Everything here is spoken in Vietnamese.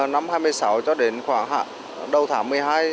năm hai mươi sáu cho đến khoảng đầu tháng một mươi hai hai mươi sáu